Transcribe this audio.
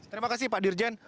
terima kasih pak dirjen